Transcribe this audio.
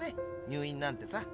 入院なんてさ。